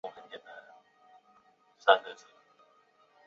随后其被转移至南安普敦并渡过英吉利海峡抵达法国瑟堡。